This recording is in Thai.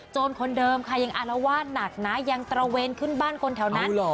คนเดิมค่ะยังอารวาสหนักนะยังตระเวนขึ้นบ้านคนแถวนั้น